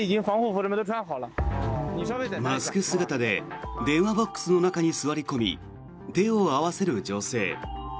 マスク姿で電話ボックスの中に座り込み手を合わせる女性。